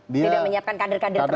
tidak menyiapkan kader kader terbaik